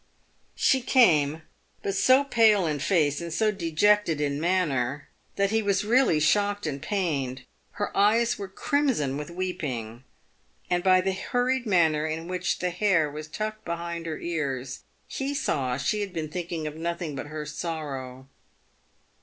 She came, but so pale in face, and so dejected in manner, that he was really shocked and pained. Her eyes were crimson with weeping, and by the hurried manner in which the hair was tucked behind her ears, he saw she had been thinking of nothing but her sorrow.